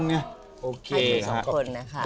ให้ถึง๒คนนะคะ